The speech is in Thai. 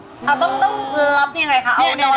ต้องรับอย่างไรคะ